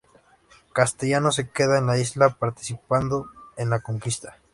Castellano se queda en la isla, participando en la conquista.